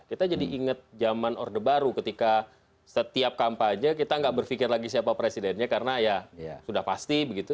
kita jadi ingat zaman orde baru ketika setiap kampanye kita nggak berpikir lagi siapa presidennya karena ya sudah pasti begitu